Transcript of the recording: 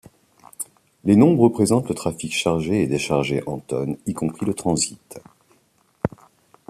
Les nombres représentent le trafic chargé et déchargé en tonnes, y compris le transit.